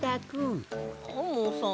アンモさん。